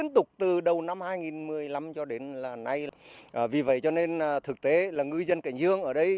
từ đầu năm hai nghìn một mươi năm cho đến nay là vì vậy cho nên thực tế là ngư dân cảnh dương ở đây